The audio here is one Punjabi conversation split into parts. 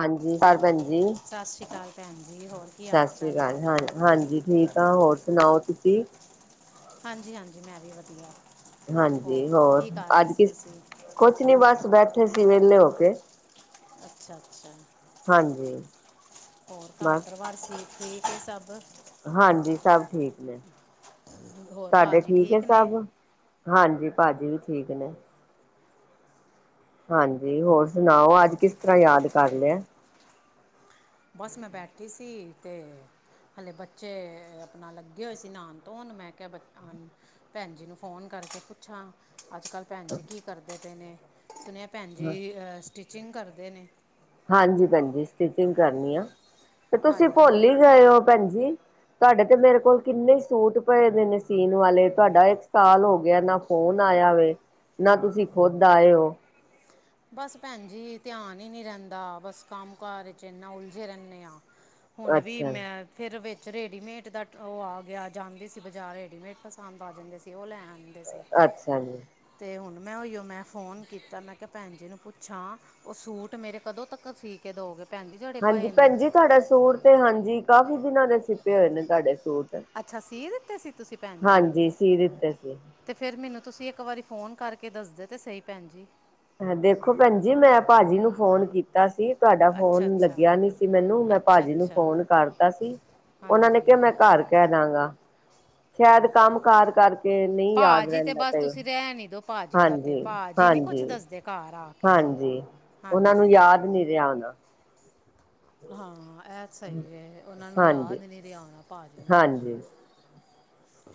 ਹਾਂਜੀ [unintelligible] ਭੈਣ ਜੀ ਸਤਿ ਸ਼੍ਰੀ ਅਕਾਲ ਭੈਣ ਜੀ ਹੋਰ ਕੀ ਸਤਿ ਹਾਲ ਸ੍ਰੀ ਚਾਲ ਹੈ ਅਕਾਲ ਤੁਹਾਡਾ ਹਾਂਜੀ ਠੀਕ। ਤਾਂ ਹੋਰ ਸੁਣਾਓ ਤੁਸੀਂ? ਹਾਂਜੀ ਹਾਂਜੀ ਮੈਂ ਵੀ ਵਧੀਆ। ਹਾਂਜੀ ਹੋਰ ਕੀ ਕਰ ਰਹੇ ਅੱਜ ਸੀ ਕਿਸ ਤੁਸੀਂ ਕੁਛ ਨੀ ਬਸ ਬੈਠੇ ਸੀ ਵਿਹਲੇ ਹੋ ਕੇ। ਅੱਛਾ ਅੱਛਾ ਹਾਂਜੀ ਹੋਰ ਘਰ ਬਸ ਪਰਿਵਾਰ ਸ ਠੀਕ ਐ ਸਭ। ਹਾਂਜੀ ਸਭ ਠੀਕ ਨੇ ਹੋਰ ਤੁਹਾਡੇ ਭਾਜੀ ਠੀਕ ਐ ਨੇ ਸਭ। ਹਾਂਜੀ ਭਾਜੀ ਵੀ ਠੀਕ ਨੇ। ਹਾਂਜੀ ਹੋਰ ਸੁਣਾਓ ਅੱਜ ਕਿਸ ਤਰ੍ਹਾਂ ਯਾਦ ਕਰ ਲਿਆ। ਬਸ ਮੈਂ ਬੈਠੀ ਸੀ ਤੇ ਹਾਲੇ ਬੱਚੇ ਆਪਣਾ ਲੱਗੇ ਹੋਏ ਸੀ ਨਾਨ ਧੋਣ ਮੈਂ ਕਿਹਾ ਬ ਭੈਣ ਜੀ ਨੂੰ ਫੋਨ ਕਰਕੇ ਪੁੱਛਾਂ, ਅੱਜ ਕੱਲ੍ਹ ਭੈਣ ਜੀ ਕੀ ਕਰਦੇ ਪਏ ਨੇ ਸੁਣਿਆ ਭੈਣ ਜੀ ਸਟਿਚਿੰਗ ਕਰਦੇ ਨੇ। ਹਾਂਜੀ ਭੈਣਜੀ ਸਟਿਚਿੰਗ ਕਰਨੀ ਆ ਤੇ ਤੁਸੀਂ ਹਾਂਜੀ ਭੁੱਲ ਈ ਗਏ ਓ ਭੈਣ ਜੀ। ਤੁਹਾਡੇ ਤੇ ਮੇਰੇ ਕੋਲ ਕਿੰਨੇ ਸੂਟ ਪਏ ਦੇ ਨੇ ਸੀਨ ਵਾਲੇ ਤੁਹਾਡਾ ਇੱਕ ਸਾਲ ਹੋ ਗਿਆ ਨਾ। ਫੋਨ ਆਇਆ ਵੈ ਨਾ ਤੁਸੀਂ ਖੁਦ ਆਏ ਓ। ਬਸ ਭੈਣ ਜੀ ਧਿਆਨ ਹੀ ਨੀ ਰਹਿੰਦਾ ਬਸ ਕੰਮ ਕਾਰ ਵਿੱਚ ਇੰਨਾ ਉਲਝੇ ਰਹਿੰਦੇ ਆ। ਹੁਣ ਵੀ ਅੱਛਾ ਮੈਂ ਫਿਰ ਵਿੱਚ ਰੇਡੀਮੇਟ ਦਾ ਉਹ ਆ ਗਿਆ ਜਾਂਦੇ ਸੀ ਬਜ਼ਾਰ ਰੇਡੀਮੇਡ ਪਸੰਦ ਆ ਜਾਂਦੇ ਸੀ ਉਹ ਲੈ ਆ ਦੇ ਸੀ ਅੱਛਾ ਜੀ। ਤੇ ਹੁਣ ਮੈਂ ਉਈਓ ਮੈਂ ਫੋਨ ਕੀਤਾ ਮੈਂ ਕਿਹਾ ਭੈਣ ਜੀ ਨੂੰ ਪੁੱਛਾਂ ਓ ਸੂਟ ਮੇਰੇ ਕਦੋਂ ਤੱਕ ਸੀ ਕੇ ਦੋਗੇ। ਹਾਂਜੀ ਭੈਣ ਜੀ ਤੁਹਾਡਾ ਸੂਟ ਤੇ ਹਾਂਜੀ ਕਾਫੀ ਦਿਨਾਂ ਦੇ ਸੀਤੇ ਹੋਏ ਨੇ ਤੁਹਾਡੇ ਸੂਟ। ਅੱਛਾ ਸੀ ਦਿੱਤੇ ਸੀ ਤੁਸੀਂ ਭੈਣ ਜੀ। ਹਾਂਜੀ ਸੀ ਦਿੱਤੇ ਸੀ। ਤੇ ਫੇਰ ਮੈਨੂੰ ਤੁਸੀਂ ਇੱਕ ਵਾਰੀ ਫ਼ੋਨ ਕਰਕੇ ਦੱਸਦੇ ਤਾਂ ਸਹੀ ਭੈਣ ਜੀ। ਦੇਖੋ ਭੈਣ ਜੀ ਮੈਂ ਭਾਜੀ ਨੂੰ ਫੋਨ ਕੀਤਾ ਸੀ। ਤੁਹਾਡਾ ਅੱਛਾ ਫੋਨ ਅੱਛਾ ਲੱਗਿਆ ਨੀ ਸੀ ਮੈਨੂੰ ਮੈਂ ਅੱਛਾ ਭਾਜੀ ਨੂੰ ਅੱਛਾ ਫੋਨ ਕਰਤਾ ਸੀ। ਉਹਨਾਂ ਨੇ ਕਿਹਾ ਹਾਂਜੀ ਮੈਂ ਘਰ ਕਹਿ ਦਾਂਗਾ ਸ਼ਾਇਦ ਕੰਮ ਕਾਰ ਕਰਕੇ। ਕਿ ਨਹੀਂ ਯਾਦ ਭਾਜੀ ਰਹਿੰਦਾ ਬਸ ਤੇ। ਤੁਸੀਂ ਰਹਿਣ ਹੀ ਦੋ। ਹਾਂਜੀ ਹਾਂਜੀ ਘਰ ਆ ਕੇ ਹਾਂਜੀ। ਉਹਨਾਂ ਨੂੰ ਹਾਂਜੀ ਯਾਦ ਨੀ ਰਿਹਾ ਹੋਣਾ। ਹਾਂ ਇਹ ਸਹੀ ਐ ਉਹਨਾਂ ਨੂੰ ਹਾਂਜੀ ਯਾਦ ਨਹੀਂ ਰਿਆ ਹੋਣਾ। ਭਾਜੀ ਨੂੰ ਹਾਂਜੀ ਕੁਛ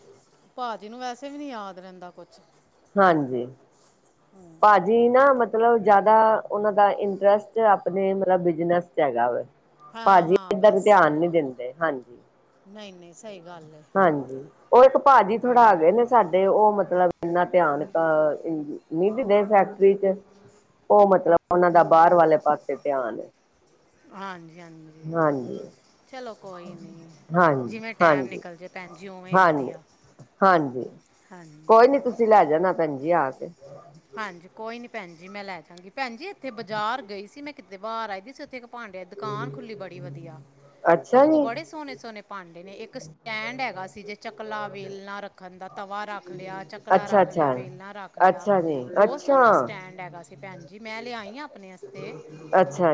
ਭਾਜੀ ਨੂੰ ਵੈਸੇ ਵੀ ਨੀ ਯਾਦ ਰਹਿੰਦਾ ਕੁਛ। ਹਾਂਜੀ। ਹਾਂ। ਭਾਜੀ ਨਾ, ਮਤਲਬ ਜਿਆਦਾ ਉਹਨਾਂ ਦਾ ਇੰਟਰਸਟ, ਆਪਣੇ ਮਤਲ, ਬਿਜਨਸ ਚ ਹੈਗਾ ਵ, ਹਾਂ ਭਾਜੀ, ਹਾਂ ਏਦਾਂ ਨੂੰ ਬਸ ਧਿਆਨ ਨੀ ਦਿੰਦੇ, ਹਾਂਜੀ। ਨਹੀਂ, ਨਹੀਂ। ਸਹੀ ਗੱਲ ਹੈ ਹਾਂਜੀ, ਉਹ ਇੱਕ ਭਾਜੀ ਹਮ, ਥੋੜਾ ਆ ਗਏ ਨੇ। ਸਾਡੇ ਉਹ ਮਤਲਬ, ਇੰਨਾ ਧਿਆਨ ਤਾ, ਨਹੀਂ ਦਿੰਦੇ ਫੈਕਟਰੀ ਚ। ਉਹ ਮਤਲਬ, ਉਹਨਾਂ ਦਾ, ਬਾਹਰ ਵਾਲੇ ਪਾਸੇ ਧਿਆਨ ਹੈ। ਹਾਂਜੀ। ਹਾਂਜੀ। ਹਾਂਜੀ। ਚਲੋ ਕੋਈ ਨਹੀਂ, ਹਾਂਜੀ ਜਿਵੇਂ ਟਾਈਮ ਹਾਂਜੀ ਨਿਕਲ ਜੇ, ਭੈਣ ਜੀ ਉਵੇਂ ਹਾਂਜੀ ਵਧੀਆ। ਹਾਂਜੀ, ਹਾਂਜੀ ਕੋਈ ਨੀ ਹਾਂਜੀ ਤੁਸੀਂ ਲੈ ਜਾਣਾ, ਭੈਣ ਜੀ ਆ ਕੇ। ਹਾਂਜੀ, ਕੋਈ ਨੀ ਭੈਣ ਜੀ, ਮੈਂ ਲੈ ਜਾਂਗੀ ਭੈਣ ਜੀ, ਇੱਥੇ ਬਾਜ਼ਾਰ ਗਈ ਸੀ, ਮੈਂ ਕਿਤੇ ਬਾਹਰ ਆਈ ਦੀ ਸੀ ਉੱਥੇ। ਭਾਂਡੇਆ ਦੀ ਦੁਕਾਨ ਖੁੱਲੀ, ਬੜੀ ਵਧੀਆ। ਅੱਛਾ ਉਹਦੇ ਕੋਲ ਜੀ ਬੜੇ ਸੋਹਣੇ -ਸੋਹਣੇ ਭਾਂਡੇ ਨੇ, ਇੱਕ ਸਟੈਂਡ ਹੈਗਾ ਸੀ, ਜੇ ਚਕਲਾ ਵੇਲਣਾ ਰੱਖਣ ਦਾ। ਤਵਾ ਰੱਖ ਲਿਆ, ਚਕਲਾ ਅੱਛਾ ਰੱਖ ਲਿਆ, ਅੱਛਾ ਵੇਲਨਾ ਰੱਖ ਲਿਆ। ਅੱਛਾ ਜੀ ਬਹੁਤ ਅੱਛਾ ਸੋਹਣਾ ਸਟੈਂਡ ਹੈਗਾ ਸੀ, ਭੈਣ ਜੀ ਮੈਂ ਲਿਆਈ ਹਾਂ, ਆਪਣੇ ਵਸਤੇ,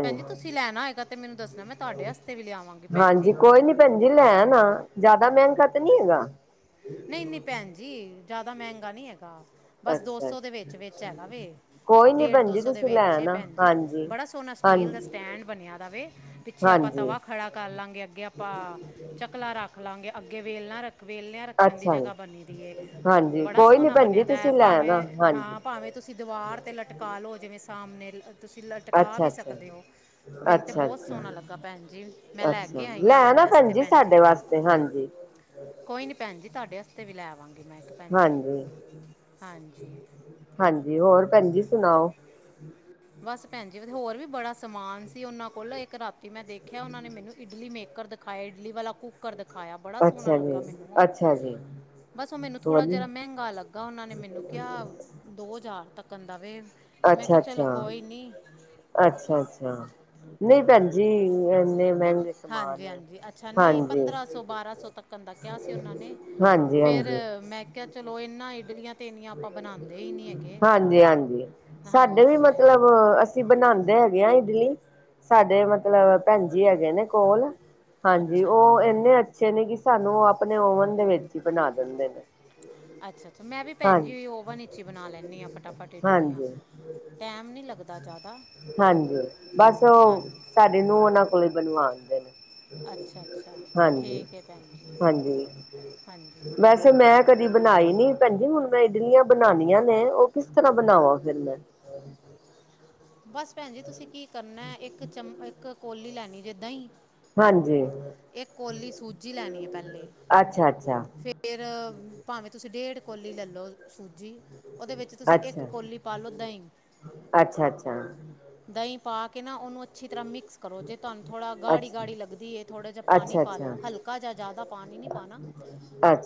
ਭੈਣ ਜੀ ਤੁਸੀਂ ਤੁਸੀਂ ਲੈਣਾ ਹੈਏਗਾ, ਤੇ ਮੈਨੂੰ ਦੱਸਣਾ, ਮੈਂ ਤੁਹਾਡੇ ਹਸਤੇ ਵੀ ਲਿਆਵਾਂਗੀ, ਭੈਣ ਹਾਂਜੀ ਜੀ। ਕੋਈ ਨੀ ਭੈਣ ਜੀ ਲੈ ਆਨਾ, ਜ਼ਿਆਦਾ ਮਿਹਨਗਾ ਤਾਂ ਨੀ ਹੈਗਾ। ਨਹੀਂ, ਨਹੀਂ ਭੈਣ ਜੀ ਜ਼ਿਆਦਾ ਮਹਿੰਗਾ ਨਹੀਂ ਹੈਗਾ। ਬਸ ਦੋ ਅੱਛਾ ਸੌ ਦੇ ਵਿੱਚ-ਵਿਚ ਹੈਗਾ ਵੇ, ਕੋਈ ਨੀ ਡੇਢ ਭੈਣ ਦੋ ਜੀ ਸੌ ਦੇ ਤੁਸੀਂ ਲੈ ਵਿੱਚ, ਆਣਾ ਭੈਣ ਜੀ ਹਾਂਜੀ ਬੜਾ ਸੋਹਣਾ। ਸਟੀਲ ਦਾ ਹਾਂਜੀ ਸਟੈਂਡ ਬਣਿਆ ਦਾਵੇ, ਪਿੱਛੇ ਆਪਾਂ ਹਾਂਜੀ ਤਵਾ ਖੜਾ। ਕਰ ਲਾਂਗੇ, ਅੱਗੇ ਆਪਾਂ ਝਕਲਾ ਰੱਖ ਲਵਾਂਗੇ, ਅੱਗੇ ਵੇਲਣਾ ਰੱਖ ਵੇਲਿਨਾ ਰ। ਰੱਖਣ ਦੀ ਅੱਛਾ ਜੀ ਜਗ੍ਹਾ ਬਣੀ ਦੀ ਹੈ। ਹਾਂਜੀ ਬੜਾ ਕੋਈ ਨੀ ਸੋਨਾ ਭੈਣ ਜੀ ਬਣਦਾ ਹੈ, ਤੁਸੀਂ ਲੈ ਆਣਾ ਪਾਵੇ ਹਾਂਜੀ -ਪਾਵੇ। ਤੁਸੀਂ ਦੀਵਾਰ ਤੇ ਲਟਕਾ ਲਓ, ਜਿਵੇਂ ਸਾਹਮਣੇ ਤੁਸੀਂ ਲਟਕਾ ਅੱਛਾ ਵੀ ਅੱਛਾ ਸਕਦੇ ਹੋ। ਮੈਨੂੰ ਤੇ ਅੱਛਾ ਬਹੁਤ ਅੱਛਾ ਸੋਹਣਾ ਲੱਗਾ ਭੈਣ ਜੀ, ਮੈਂ ਲੈ ਕੇ ਅੱਛਾ ਆਈ ਹਾਂ, ਲੈ ਆਣਾ ਆਪਣੇ ਵਾਸਤੇ ਭੈਣ ਜੀ। ਸਾਡੇ ਵਾਸਤੇ ਹਾਂਜੀ ਕੋਈ ਨੀ ਭੈਣ ਜੀ, ਤੁਹਾਡੇ ਹਸਤੇ ਵੀ ਲੈ ਆਵਾਂਗੀ, ਮੈਂ ਇੱਕ। ਭੈਣ ਜੀ ਹਾਂਜੀ, ਹਾਂਜੀ ਹਾਂਜੀ ਹੋਰ ਭੈਣ ਜੀ, ਸੁਣਾਓ। ਬਸ ਭੈਣ ਜੀ, ਹੋਰ ਵੀ ਬੜਾ ਸਮਾਨ ਸੀ, ਉਹਨਾਂ ਕੋਲ, ਇੱਕ ਰਾਤੀ ਮੈਂ ਦੇਖਿਆ, ਉਹਨਾਂ ਨੇ ਮੈਨੂੰ ਇਡਲੀ ਮੇਕ ਕਰ ਦਿਖਾਇਆ, ਇਡਲੀ ਵਾਲਾ ਕੁੱਕਰ ਦਿਖਾਇਆ, ਬੜਾ ਸੋਹਣਾ ਅੱਛਾ ਲੱਗਾ ਜੀ, ਮੈਨੂੰ ਉਹ। ਅੱਛਾ ਜੀ, ਬਸ ਉਹ ਮੈਨੂੰ ਥੋੜਾ ਜਰਾ ਵਧੀ ਮਹਿੰਗਾ ਲੱਗਾ, ਉਹਨਾਂ ਨੇ ਮੈਨੂੰ ਕਿਆ ਦੋ ਹਜ਼ਾਰ ਤੱਕ ਆਂਦਾ ਵੇ, ਮੈਂ ਅੱਛਾ ਕਿਹਾ, ਚਲੋ ਅੱਛਾ, ਕੋਈ ਨਹੀਂ। ਅੱਛਾ- ਅੱਛਾ, ਨਹੀਂ ਪੈਂਦਾ। ਜੀ, ਇੰਨੇ ਮਹਿੰਗੇ ਸਮਾਨ ਹਾਂਜੀ ਹਾਂਜੀ ਹਾਂਜੀ। ਕੰਦਾ ਕਿਹਾ ਸੀ, ਉਹਨਾਂ ਨੇ ਹਾਂਜੀ ਫੇਰ ਹਾਂਜੀ, ਮੈਂ। ਕਿਹਾ ਚਲੋ, ਇਹਨਾ ਇਡਲੀਆਂ ਤੇ ਇੰਨੀਆਂ ਆਪਾਂ ਬਣਾਉਂਦੇ ਹੀ ਨਹੀਂ ਹੈਗੇ, ਹਾਂਜੀ ਹਾਂਜੀ। ਸਾਡੇ ਵੀ ਹਾਂਜੀ। ਮਤਲਬ ਅਸੀਂ ਬਣਾਉਂਦੇ ਹੈਗੇ ਹ, ਇਡਲੀ। ਸਾਡੇ ਮਤਲਬ ਭੈਣ ਜੀ, ਹੈਗੇ ਨੇ ਕੋਲ। ਹਾਂਜੀ, ਅੱਛਾ ਉਹ ਅੱਛਾ ਇੰਨੇ ਅੱਛੇ ਨੇ, ਕਿ ਸਾਨੂੰ ਉਹ ਆਪਣੇ ਓਵਨ ਦੇ ਵਿੱਚ ਹੀ ਬਣਾ ਦਿੰਦੇ ਨੇ। ਅੱਛਾ- ਅੱਛਾ ਮੈਂ ਵੀ ਭੈਣ ਹਾਂਜੀ, ਜੀ, ਓਵਨ ਵਿੱਚ ਹੀ ਬਣਾ ਲੈਂਦੀ ਹਾਂ ਫਟਾਫਟ ਇਡਲੀਆਂ। ਹਾਂਜੀ, ਟਾਈਮ ਨਹੀਂ ਲੱਗਦਾ ਜ਼ਿਆਦਾ। ਹਾਂਜੀ ਬਸ ਉਹ, ਹਾਂਜੀ ਸਾਡੇ ਨੂੰ ਉਹਨਾਂ ਕੋਲ ਬਣਵਾਉਂਦੇ ਨੇ। ਅੱਛਾ ਅੱਛਾ ਹਾਂਜੀ, ਠੀਕ ਹੈ ਭੈਣ ਜੀ ਹਾਂਜੀ ਹਾਂਜੀ ਹਾਂਜੀ ਵੈਸੇ ਮੈਂ। ਕਦੀ ਬਣਾਈ ਨੀ, ਭੈਣ ਜੀ, ਹੁਣ ਮੈਂ ਇਡਲੀਆਂ ਬਣਾਨੀਆਂ ਨੇ, ਉਹ ਕਿਸ ਤਰ੍ਹਾਂ ਬਣਾਵਾ ਫਿਰ ਮੈਂ? ਬਸ ਭੈਣ ਜੀ, ਤੁਸੀਂ ਕੀ ਕਰਨਾ, ਇੱਕ ਚਮ ਇੱਕ ਕੌਲੀ ਲੈਣੀ ਏ ਦਹੀਂ ਹਾਂਜੀ। ਇਕ ਕੌਲੀ ਸੂਜੀ ਲੈਣੀ ਹੈ ਪਹਿਲੇ ਅੱਛਾ ਅੱਛਾ ਫਿਰ ਫਿਰ ਭਾਵੇਂ ਤੁਸੀਂ ਡੇਢ ਕੋਲੀ ਲੈਲੋ ਸੂਜੀ। ਉਹਦੇ ਵਿੱਚ ਤੁਸੀਂ ਇੱਕ ਅੱਛਾ ਕੌਲੀ ਪਾ ਲਓ ਦਹੀਂ। ਅੱਛਾ ਦਹੀਂ ਪਾ ਕੇ ਨਾ ਉਹਨੂੰ ਅੱਛੀ ਤਰ੍ਹਾਂ ਮਿਕਸ ਕਰੋ ਜੇ ਤੁਹਾਨੂੰ ਥੋੜਾ ਅੱਛਾ ਗਾੜੀ-ਗਾੜੀ ਲੱਗਦੀ ਏ ਥੋੜਾ ਜਾ ਅੱਛਾ ਪਾਣੀ ਅੱਛਾ ਪਾਂ ਅੱਛਾ ਲੋਂ ਹਲਕਾ ਜਾ ਜਾਂਦਾ ਪਾਣੀ ਨਿ ਪਾਂ ਨਾ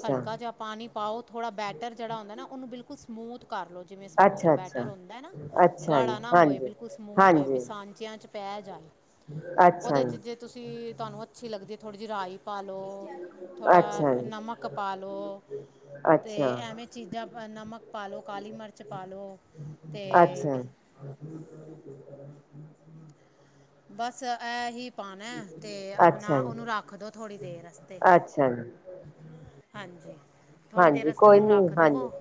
ਹਲਕਾ ਜਾ ਪਾਣੀ ਪਾਓ ਥੋੜ੍ਹਾ ਬੈਟਰ ਜਿਹੜਾ ਹੁੰਦਾ ਨਾ ਉਹਨੂੰ ਬਿਲਕੁਲ ਸਮੂਥ ਕਰਲੋ ਜਿਵੇਂ ਸਮੂਥ ਅੱਛਾ ਅੱਛਾ ਬੈਟਰ ਅੱਛਾ ਹੁੰਦਾ ਨਾ ਅੱਛਾ ਜੀ ਗਾੜਾ ਨਾ ਹੋਏ ਹਾਂਜੀ ਬਿਲਕੁਲ ਸਮੂਥ ਹੋਏ ਬੀ ਹਾਂਜੀ ਸਾਚਿਆਂ ਚ ਪੈ ਜਾਏ ਅੱਛਾ ਉਹਦੇ 'ਚ ਜੀ ਜੇ ਤੁਸੀਂ ਤੁਹਾਨੂੰ ਅੱਛੀ ਲੱਗਦੀ ਹੈ ਥੋੜ੍ਹੀ ਜਿਹੀ ਰਾਈ ਥੋੜਾ ਪਾਂ ਲੋਂ ਥੋੜਾ ਅੱਛਾ ਜੀ ਨਮਕ ਪਾਂ ਲੋਂ। ਤੇ ਅੱਛਾ ਐਵੇਂ ਚੀਜ਼ਾਂ ਨਮਕ ਪਾ ਲਉ, ਕਾਲੀ ਮਿਰਚ ਪਾ ਲਉ ਤੇ ਅ ਸ ਕਰ [unintelligible] ਬਸ ਇਹਹੀ ਪਾਉਣਾ ਤੇ ਆਪਣਾ, ਜੀ ਉਹਨੂੰ ਰੱਖ ਦਿਓ ਥੋੜ੍ਹੀ ਦੇਰ ਵਾਸਤੇ। ਅੱਛਾ ਜੀ ਹਾਂਜੀ, ਥੋੜ੍ਹੀ ਦੇਰ ਹਾਂਜੀ ਵਾਸਤੇ ਕੋਈ ਉਹਨੂੰ ਨੀ ਰੱਖ ਹਾਂਜੀ ਦਵੋ।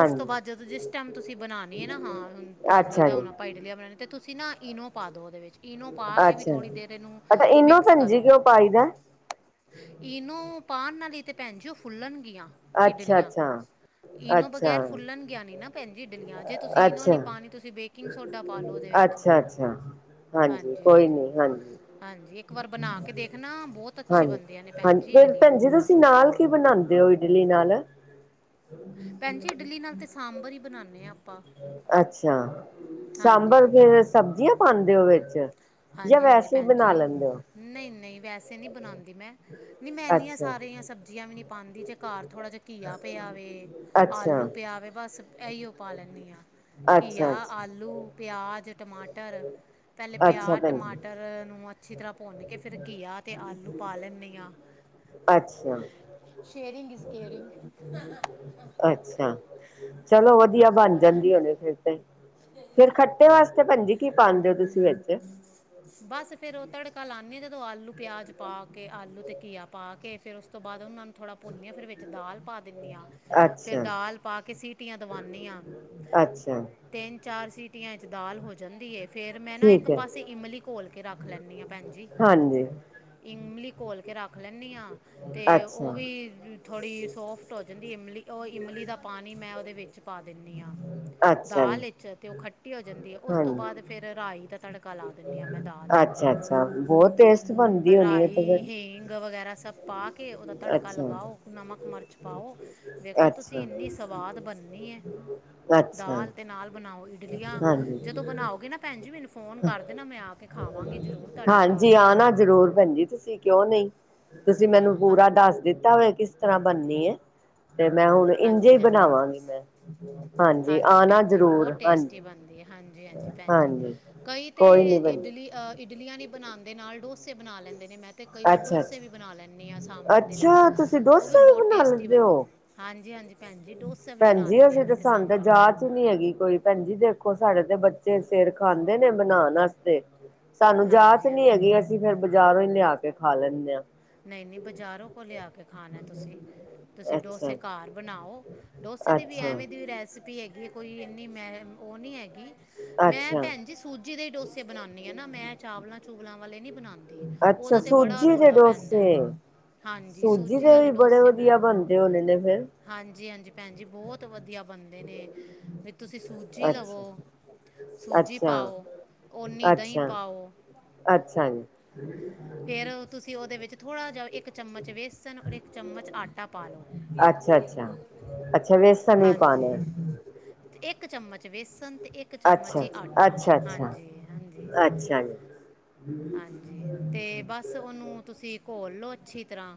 ਉਸ ਤੋਂ ਬਾਅਦ ਜਦ ਜਿਸ ਟਾਈਮ ਤੁਸੀਂ ਬਣਾਉਣੀ ਹੈ ਨਾ ਹਾਂ, ਤੁਹਾਨੂੰ ਅੱਛਾ ਲੱਗਦਾ ਜੀ ਹੁਣ ਪਾਈ ਡਲੀਆ ਬਣਾਉਣੀ ਅਤੇ ਤੁਸੀਂ ਨਾ ਇਨੋ ਪਾ ਦਿਉ ਉਹਦੇ ਵਿੱਚ। ਇਨੋ ਪਾ ਕੇ ਵੀ ਅੱਛਾ ਥੋੜ੍ਹੀ ਦੇਰ ਇਹਨੂੰ ਅੱਛਾ ਇਨੋ ਮਿਕਸ ਭੈਣਜੀ ਕਰੋ। ਕਿਉਂ ਪਾਈ ਦਾ ਇਨੂੰ ਪਾਉਣ ਨਾਲ ਹੀਤੇ ਭੈਣ ਜਿ ਓਉਹ ਫੁੱਲਣਗੀਆਂ। ਇਡਲੀਆਂ ਅੱਛਾ-ਅੱਛਾ। ਇਨੋ ਬਗੈਰ ਫੁੱਲਣ ਗਿਆ ਨੀ ਨਾ ਭੈਣਜੀ ਇਡਲੀਆਂ ਜੇ ਤੁਸੀਂ ਇਨੋ ਨੀ ਪਾਣੀ ਤੁਸੀਂ ਬੇਟ ਅੱਛਾ-ਅੱਛਾ, ਹਾਂਜੀ ਕੋਈ ਨੀ ਹਾਂਜੀ। ਹਾਂਜੀ, ਇੱਕ ਵਾਰ ਬਣਾ ਕੇ ਦੇਖਣਾ ਬਹੁਤ ਅੱਛੀ ਹਾਂਜੀ ਬੰਦਿਆਂ ਨੇ ਭੈਣ ਹਾਂਜੀ ਜੀ ਫਿਰ ਇਡਲੀਆਂ। ਭੈਣ ਜੀ ਤੁਸੀਂ ਨਾਲ ਕੀ ਬਣਾਉਂਦੇ ਹੋ ਇਡਲੀ ਨਾਲ? ਭੈਣ ਜੀ ਇਡਲੀ ਨਾਲ ਤਾਂ ਸਾਂਬਰ ਹੀ ਬਣਾਉਂਦੇ ਹਾਂ ਆਪਾਂ। ਅੱਛਾ, ਸਾਂਬਰ ਹਾਂਜੀ ਫਿਰ ਸਬਜ਼ੀਆਂ ਪਾਂਦੇ ਉਹ ਵਿੱਚ। ਜਾਂ ਹਾਂਜੀ-ਹਾਂਜੀ, ਵੈਸੇ ਹੀ ਭੈਣ ਬਣਾ ਜੀ ਲੈਂਦੇ ਹੋ ਨਹੀਂ-ਨਹੀਂ ਵੈਸੇ ਨਹੀਂ ਬਣਾਉਂਦੀ ਮੈਂ। ਨਹੀਂ ਮੈਂ ਇਨਿਆਂ ਅੱਛਾ ਸਾਰੀਆਂ ਸਬਜ਼ੀਆਂ ਵੀ ਨੀ ਪਾਉਂਦੀ ਜੇ ਘਰ ਥੋੜ੍ਹਾ ਜਿਹਾ ਘੀਆ ਪਿਆਵੇ ਅੱਛਾ ਆਲੂ ਪਿਆਵੇ ਬਸ। ਇਹੀਓ ਪਾ ਲੈਂਦੀ ਹਾਂ ਘੀਆ, ਅੱਛਾ ਅੱਛਾ ਆਲੂ, ਪਿਆਜ਼, ਟਮਾਟਰ ਪਹਿਲੇ ਅੱਛਾ ਪਿਆਜ਼ ਭੈਣ ਜੀ ਟਮਾਟਰ ਨੂੰ ਅੱਛੀ ਤਰ੍ਹਾਂ ਭੁੰਨ ਕੇ ਫਿਰ ਘੀਆ ਤੇ ਆਲੂ ਪਾ ਲੈਂਦੇ ਹਾਂ। ਅੱਛਾ- ਸ਼ੇਅਰਿੰਗ ਇਜ਼ ਕੇਅਰਿੰਗ ਅੱਛਾ। ਚਲੋ ਵਧੀਆ ਬਣ ਜਾਂਦੀ ਉਹਨ ਫਿਰ ਤੇ ਫਿਰ ਖੱ ਖਟੇ ਵਾਸਤੇ ਭੈਣਜੀ ਕੀ ਪਾਦੇ ਹੋ ਤੁਸੀਂ ਵਿੱਚ? ਬਸ ਫੇਰ ਉਹ ਤੜਕਾ ਲਾਨਿਆ ਜਦੋਂ ਆਲੂ ਪਿਆਜ ਪਾ ਕੇ ਆਲੂ ਤੇ ਘੀਆ ਪਾ ਕੇ ਫਿਰ ਉਸ ਤੋਂ ਬਾਅਦ ਉਹਨਾਂ ਨੂੰ ਥੋੜ੍ਹਾ ਭੁੰਨੀਆਂ ਫਿਰ ਵਿੱਚ ਦਾਲ ਪਾ ਦਿੰਦੀ ਹਾਂ। ਫਿਰ ਅੱਛਾ ਦਾਲ ਪਾ ਕੇ ਸਿਟੀਆਂ ਦਵਾਉਦੀ ਹਾਂ। ਅੱਛਾ ਤਿੰਨ-ਚਾਰ ਸੀਟੀਆਂ ਚ ਦਾਲ ਹੋ ਜਾਂਦੀ ਹੈ ਫੇਰ ਮੈਂ ਨਾ ਇੱਕ ਠੀਕ ਹੈ ਪਾਸੇ ਇਮਲੀ ਘੋਲ ਕੇ ਰੱਖ ਲੈਂਦੀ ਹਾਂ ਭੈਣਜੀ, ਹਾਂਜੀ ਇਮਲੀ ਘੋਲ ਕੇ ਰੱਖ ਲੈਂਦੀ ਹਾਂ। ਤੇ ਉਹ ਅੱਛਾ ਵੀ ਥੋੜ੍ਹੀ ਸੋਫਟ ਹੋ ਜਾਂਦੀ ਇਮਲੀ ਉਹ ਇਮਲੀ ਦਾ ਪਾਣੀ ਮੈਂ ਉਹਦੇ ਵਿੱਚ ਪਾ ਦਿੰਦੀ ਹਾਂ। ਅੱਛਾ ਦਾਲ ਜੀ ਵਿੱਚ ਤੇ ਉਹ ਖੱਟੀ ਹੋ ਜਾਂਦੀ ਹੈ ਉਸ ਤੋਂ ਬਾਅਦ ਹਾਂਜੀ ਫਿਰ ਰਾਈ ਦਾ ਤੜਕਾ ਲਾ ਦਿੰਦੀ ਹਾਂ ਮੈਂ। ਦਾਲ ਨੂੰ ਅੱਛਾ-ਅੱਛਾ ਬਹੁਤ ਟੇਸਟ ਬਣਦੀ ਹੋਣੀ ਹੈ ਤੇ ਫਿਰ ਰਾਈ ਹੀਂਗ ਵਗ਼ੈਰਾ ਸਭ ਪਾ ਕੇ ਉਹਦਾ ਤੜਕਾ ਲਗਾਓ ਅੱਛਾ ਨਮਕ ਮਿਰਚ ਪਾਓ। ਦੇੇਖੋ ਤੁਸੀਂ ਅੱਛਾ ਇੰਨੀ ਸਵਾਦ ਬਣਨੀ ਹੈ ਅੱਛਾ ਦਾਲ ਤੇ ਨਾਲ ਬਣਾਓ। ਇਟਲਿਆ ਹਾਂਜੀ ਜਦੋਂ ਬਣਾਓਗੇ ਨਾ ਭੈਣ ਜੀ ਮੈਨੂੰ ਫੋਨ ਕਰ ਦੇਣਾ ਮੈਂ ਆ ਕੇ ਖਾਵਾਂਗੀ ਜ਼ਰੂਰ ਤੁਹਾਡੇ ਹਾਂਜੀ ਘਰ ਹਾਂ ਨਾ ਜ਼ਰੂਰ ਭੈਣਜੀ ਤੁਸੀਂ ਕਿਉਂ ਨਹੀਂ ਤੁਸੀਂ ਮੈਨੂੰ ਪੂਰਾ ਦੱਸ ਦਿੱਤਾ ਹੋਆ ਕਿਸ ਤਰ੍ਹਾਂ ਬਣਨੀ ਏ ਤੇ ਮੈਂ ਹੁਣ ਇੰਝੇ ਹੀ ਹਾਂਜੀ ਹਾਂਜੀ ਬਣਾਵਾਂਗੀ ਮੈਂ ਹਾਂਜੀ ਆਣਾ ਭੈਣ ਜੀ ਜਰੂਰ ਬਹੁਤ ਟੇਸਟੀ ਬਣਦੀ ਹੈ ਹਾਂਜੀ ਹਾਂਜੀ ਭੈਣ ਜੀ ਕਈ ਤੇ ਕੋਈ ਨੀ ਭੈਣ ਜੀ ਇਡਲੀ ਇਡਲੀਆਂ ਨਹੀਂ ਬਣਾਉਦੇ ਨਾਲ ਡੋਸੇ ਬਣਾ ਲੈਂਦੇ ਨੇ ਮੈਂ ਤੇ ਕਈ ਵਾਰ ਅੱਛਾ ਡੋਸੇ ਅੱਛਾ ਵੀ ਬਣਾ ਲੈਂਨੀ ਆ ਸਾਂਬਰ ਦੇ ਨਾਲ ਅੱਛਾ ਤੁਸੀਂ ਉਹ ਵੀ ਡੋਸਾ ਬਹੁਤ ਬਣਾ ਟੇਸਟੀ ਲੈਂਦੇ ਬਣਦੇ ਹੋ ਹਾਂਜੀ ਹਾਂਜੀ ਭੈਣ ਜੀ ਡੋਸਾ ਵੀ ਭੈਣ ਬਣਾ ਜੀ ਲੈਂਨੀ ਹਾਂ ਅਸੀਂ ਮੈਂ ਤੇ ਸਾਨੂੰ ਤੇ ਸਾਂਬਰ ਨਾਲ ਜਾ ਨੀ ਹੈਗੀ ਕੋਈ ਭੈਣ ਜੀ ਦੇਖੋ ਸਾਡੇ ਤੇ ਬੱਚੇ ਸਿਰ ਖਾਂਦੇ ਨੇ ਬਣਾਉਣ ਵਾਸਤੇ ਸਾਨੂੰ ਜਾਚ ਹਾਂਜੀ ਨੀ ਹਾਂਜੀ ਹੈਗੀ ਅਸੀਂ ਫਿਰ ਬਾਜ਼ਾਰੋਂ ਹੀ ਲਿਆ ਕੇ ਖਾ ਲੈਂਦੇ ਹਾਂ। ਨਹੀਂ ਨਹੀਂ ਬਜ਼ਾਰੋਂ ਕੋ ਲਿਆ ਕੇ ਖਾਣਾ ਤੁਸੀਂ ਤੁਸੀਂ ਡੋਸੇ ਅੱਛਾ ਘਰ ਬਣਾਓ ਡੋਸੇ ਦੀ ਵੀ ਅੱਛਾ ਐਵੇਂ ਦੀ ਰੈਸਪੀ ਹੈਗੀ ਕੋਈ ਇੰਨੀ ਮੈਂ ਉਹ ਨਹੀਂ ਹੈਗੀ। ਮੈਂ ਅੱਛਾ ਭੈਣ ਜੀ ਸੂਜੀ ਦੇ ਡੋਸੇ ਬਣਾਉਂਦੀ ਹਾਂ ਨਾ ਮੈਂ ਚਾਵਲਾਂ ਚੂਵਲਾਂ ਵਾਲੇ ਨਹੀਂ ਬਣਾਉਂਦੀ। ਅੱਛਾ ਉਹਦਾ ਤੇ ਬੜਾ ਸੂਜੀ ਰੋਲ ਦੇ ਹੈ। ਪੈਂਦਾ ਡੋਸੇ ਹਾਂਜੀ ਸੂਜੀ ਦੇ ਵਾਲੇ ਵੀ ਬੜੇ ਡੋਸੇ ਵਧੀਆ ਬਣਾਉਣੇ ਬਣਦੇ ਹੋਣੇ ਨੇ ਫੇਰ ਹਾਂਜੀ-ਹਾਂਜੀ ਭੈਨ ਜੀ, ਬਹੁਤ ਵਧੀਆ ਬਨਦੇ ਨੇਂ। ਵਈ ਤੁਸੀ ਸੂਜੀ ਅੱਛਾ ਲਵੋ। ਸੂਜੀ ਅੱਛਾ ਪਾਓ, ਓਹਨੀਂ ਦਹੀਂ ਅੱਛਾ ਪਾਓ। ਅੱਛਾ ਜੀ ਫੇਰ ਤੁਸੀ ਉਹਦੇ ਵਿੱਚ ਥੋੜਾ ਜਿਹਾ ਇੱਕ ਚਮਚ ਵੇਸਨ, ਔਰ ਇੱਕ ਚਮਚ ਆਟਾ ਪਾ ਲਓ। ਅੱਛਾ ਅੱਛਾ ਅੱਛਾ, ਵੇਸਨ ਵੀ ਪਾਉਨਾ ਹਾਂਜੀ ਹੈ। ਤੇ ਇੱਕ ਚਮਚ ਵੇਸਨ। ਤੇ ਇੱਕ ਚਮਚ ਅੱਛਾ ਹੀ ਆਟਾ, ਅੱਛਾ ਅੱਛਾ ਹਾਂਜੀ-ਹਾਂਜੀ। ਅੱਛਾ ਜੀ [inaudible] ਤੇ ਬਸ ਉਹਨੂੰ ਤੁਸੀ ਘੋਲ ਲਓ ਅੱਛੀ ਤਰਾਂ।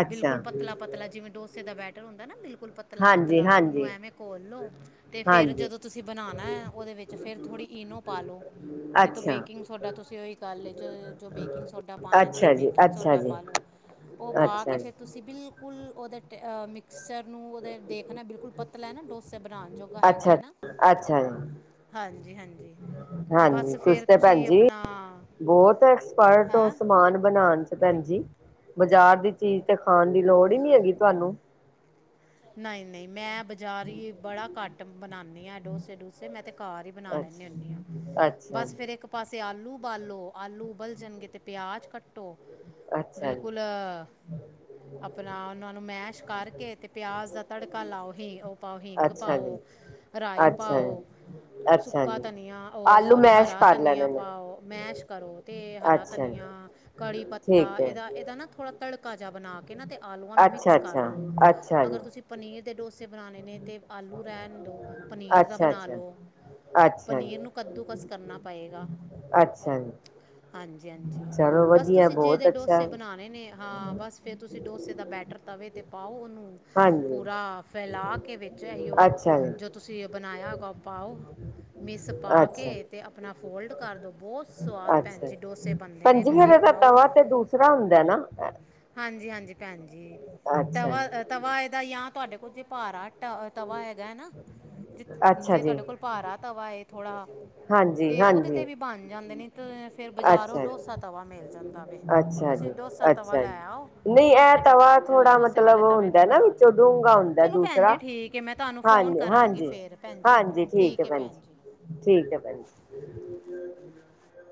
ਅੱਛਾ ਬਿਲਕੁਲ ਪਤਲਾ ਪਤਲਾ ਤਲਾ ਜਿਂਵੇਂ ਡੋਸੇ ਦਾ ਬੈਟਰ ਹੁੰਦਾ ਏ ਨਾ ਬਿਲਕੁਲ। ਹਾਂਜੀ ਪਤਲਾ-ਪਤਲਾ ਉਹਨੂੰ ਹਾਂਜੀ ਐਵੇਂ ਘੋਲ ਲੋ। ਤੇ ਫਿਰ ਹਾਂਜੀ ਜਦੋ ਤੁਸੀ ਬਨਾਉਨਾ ਹੈ, ਉਹਦੇ ਵਿੱਚ ਫਿਰ ਥੋੜੀ ਈਨੋ ਪਾ ਲਓ, ਨਹੀਂ ਤੇ ਅੱਛਾ ਬੇਕਿੰਗ ਸੋਡਾ ਤੁਸੀ ਉਹੀ ਗੱਲ ਏ ਜੇ। ਜੋ ਬੇਕ ਕਿੰਗ ਸੋਡਾ ਪਾਉਨਾ ਏ, ਤੁਸੀ ਅੱਛਾ ਜੀ ਬੇਕਿੰਗ ਅੱਛਾ ਸੋਡਾ ਜੀ ਪਾ ਲਉ। ਉਹ ਪਾ ਕੇ ਅੱਛਾ ਜੀ ਫਿਰ ਤੁਸੀ ਬਿਲਕੁਲ ਉਹਦੇ ਟ ਆਹ, ਮਿਕਸਚਰ ਨੂੰ ਉਹਦੇ ਦੇਖਨਾ ਏ ਬਿਲਕੁਲ ਪਤਲਾ ਏ ਨਾ। ਡੋਸੇ ਬਨਾਉਨ ਅੱਛਾ ਅੱਛਾ। ਜੀ ਹਾਂਜੀ-ਹਾਂਜੀ ਬਸ ਹਾਂਜੀ ਫਿਰ ਤੁਸੀਂ ਤੇ ਭੈਣ ਤੁਸੀ ਜੀ ਆਪਨਾ ਬਹੁਤ ਐਕਸਪਰਟ ਉ ਸਮਾਨ ਬਨਾਉਨ ਚ ਕਿੰਨੇ ਭੈਨ ਜੀ। ਬਜਾਰ ਦੀ ਚੀਜ ਤੇ ਖਾਣ ਦੀ ਲੋੜ ਹੀ ਨੀ ਹੈਗੀ ਤੁਹਾਨੂੰ। ਨਹੀਂ-ਨਹੀਂ, ਮੈਂ ਬਜਾਰੀ ਬੜਾ ਘੱਟ ਬਨਾਉਨੀਂ ਆਂ ਇਹ ਡੋਸੇ ਡੂਸੇ। ਮੈਂ ਤੇ ਘਰ ਹੀ ਬਨਾ ਲੈਨੀਂ ਹੁੰਨੀਂ ਹਾਂ, ਅੱਛਾ ਅੱਛਾ ਬਸ ਜੀ ਫਿਰ ਇੱਕ ਪਾਸੇ ਆਲੂ ਉਬਾਲੋ, ਆਲੂ ਉਬਲ ਜਾਨਗੇ ਤੇ ਪਿਆਜ ਕੱਟੋ। ਅੱਛਾ ਜੀ ਬਿਲਕੁਲ ਆਪਨਾ ਉਹਨਾਂ ਨੂੰ ਮੈਸ਼ ਕਰਕੇ। ਤੇ ਪਿਆਜ ਦਾ ਤੜਕਾ ਲਾਓ। ਹੀਂ ਉਹ ਪਾਓ ਹੀਂਗ ਅੱਛਾ ਜੀ ਪਾਓ, ਰਾਈ ਅੱਛਾ ਪਾਓ। ਜੀ ਅੱਛਾ ਸੁੱਕਾ ਜੀ ਧਨੀਆ ਓਹ ਆਲੂ ਸੋਰੀ, ਮੈਸ਼ ਹਰਾ ਕਰ ਧਨੀਆ ਲੈਣੇ ਨੇ ਪਾਓ। ਮੈਸ਼ ਕਰੋ ਤੇ ਹਰਾ ਅੱਛਾ ਧਨੀਆ। ਜੀ ਆ ਕੜੀ ਪੱਤਾ ਠੀਕ ਹੈ ਇਹਦਾ-ਇਹਦਾ ਨਾਂ ਥੋੜਾ ਤੜਕਾ ਜਿਹਾ ਬਨਾ ਕੇ ਨਾ, ਤੇ ਆਲੂਆਂ ਨੂੰ ਅੱਛਾ ਮਿਕਸ ਕਰ ਅੱਛਾ ਲਉ। ਅੱਛਾ ਜੀ ਜੇ ਪਨੀਰ ਦੇ ਡੋਸੇ ਬਣਾਉਣੇ ਨੇਂ, ਤੇ ਆਲੂ ਰਹਿਨ ਦਿਉ। ਪਨੀਰ ਦਾ ਅੱਛਾ ਬਨਾ ਅੱਛਾ ਲਓ। ਅੱਛਾ ਪਨੀਰ ਜੀ ਨੂੰ ਕੱਦੂ ਕਸ ਕਰਨਾ ਪਏਗਾ। ਅੱਛਾ ਜੀ! ਹਾਂਜੀ-ਹਾਂਜੀ, ਚਲੋ ਬਸ ਵਧੀਆ ਤੁਸੀ ਬਹੁਤ ਜਿਹਦੇ ਅੱਛਾ ਡੋਸੇ ਬਣਾਉਨੇ ਨੇਂ, ਹਾਂ ਬਸ ਫਿਰ ਤੁਸੀ ਡੋਸੇ ਦਾ ਬੈਟਰ ਤਵੇ ਤੇ ਪਾਓ ਉਹਨੂੰ ਹਾਂਜੀ ਪੂਰਾ ਫੈਲਾ ਕੇ ਵਿੱਚ ਇਹੀਓ ਅੱਛਾ ਜੀ ਜੋ ਤੁਸੀ ਇਹ ਬਨਾਇਆ ਹੋਏਗਾ ਉਹ ਪਾਓ ਮਿਸ ਪਾ ਕੇ ਅੱਛਾ ਤੇ ਆਪਨਾ ਫੋ ਫੋਲਡ ਕਰ ਦੋ ਬੋਹਤ ਸਵਾਦ ਭੈਨ ਅੱਛਾ ਜੀ ਡੋਸੇ ਬਨਦੇ ਨੇ ਭੈਣਜੀ ਫਿਰ ਤੁਸੀ ਇਹਦਾ ਖਾਓ ਤਵਾ ਤੇ ਦੂਸਰਾ ਹੁੰਦਾ ਨਾ ਹਾਂਜੀ-ਹਾਂਜੀ ਭੈਨ ਜੀ, ਅੱਛਾ ਤਵਾ ਆਹ ਜੀ ਤਵਾ ਇਹਦਾ ਯਾਂ ਤੁਹਾਡੇ ਕੋਲ ਜੇ ਭਾਰਾ ਤ ਤਵਾ ਹੈਗਾ ਏ ਨਾ ਅੱਛਾ ਜੇ-ਜੇ ਤੁਹਾਡੇ ਕੋਲ ਭਾਰਾ ਤਵਾ ਏ ਥੋੜਾ ਹਾਂਜੀ-ਹਾਂਜੀ। ਬਨ ਜਾਂਦੇ ਨੇ ਤੇ ਫਿਰ ਬਜਾਰੋਂ ਡੋਸਾ ਤਵਾ ਮਿਲ ਜਾਂਦਾ ਵੇ ਅੱਛਾ ਤੁਸੀ ਜੀ ਡੋਸਾ ਤਵਾ ਅੱਛਾ ਲੈ ਜੀ ਆਓ ਨਹੀਂ ਇਹ ਡੋਸੇ ਤਵੇ ਤਵਾ ਆਹ ਥੋੜਾ ਡੋਸੇ ਮਤਲਬ ਵਾਲੇ ਤਵੇ ਤੇ ਹੁੰਦਾ ਨਾ ਬਨਾ ਲੋ ਵਿੱਚੋਂ ਡੂੰਘਾ ਹੁੰਦਾ ਚਲੋ ਭੈਨ ਦੂਸਰਾ ਜੀ ਠੀਕ ਏ ਮੈਂ ਤੁਹਾਨੂੰ ਫੋਨ ਹਾਂਜੀ ਕਰਾਂਗੀ ਹਾਂਜੀ ਫੇਰ। ਭੈਨ ਜੀ, ਹਾਂਜੀ ਠੀਕ ਹੈ ਏ ਭੈਣ ਭੈਨ ਜੀ। ਠੀਕ ਹੈ ਭੈਨ ਜੀ।